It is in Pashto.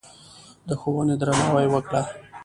د ښوونې درناوی وکړه.